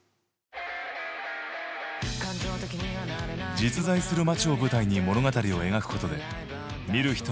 実在する街を舞台に物語を描くことで見る人の共感を呼ぶ。